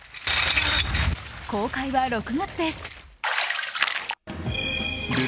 公開は６月です。